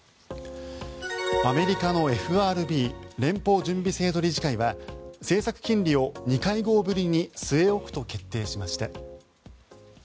アメリカのＦＲＢ・連邦準備制度理事会は政策金利を２会合ぶりに据え置くと決定しました。